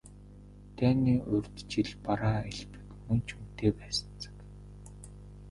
Дайны урьд жил бараа элбэг, мөнгө ч үнэтэй байсан цаг.